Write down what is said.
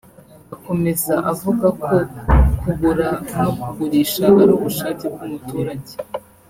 Akomeza avuga ko kugura no kugurisha ari ubushake bw’umuturage